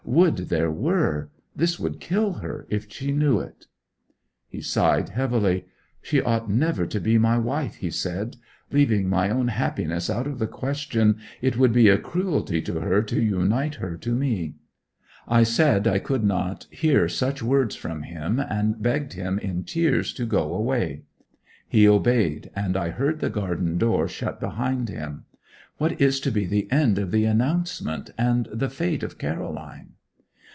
Would there were! This would kill her if she knew it!' He sighed heavily. 'She ought never to be my wife,' he said. 'Leaving my own happiness out of the question, it would be a cruelty to her to unite her to me.' I said I could not hear such words from him, and begged him in tears to go away; he obeyed, and I heard the garden door shut behind him. What is to be the end of the announcement, and the fate of Caroline?